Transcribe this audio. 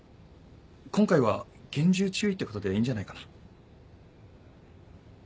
今回は厳重注意ってことでいいんじゃないかな。